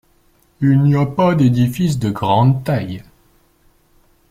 Il n'y a pas d'édifices de grande taille.